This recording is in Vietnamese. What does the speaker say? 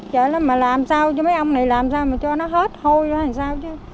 trời ơi mà làm sao cho mấy ông này làm sao mà cho nó hết hôi ra làm sao chứ